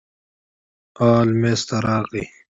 ال میز ته راغی.